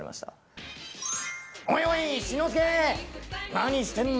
何してんだ？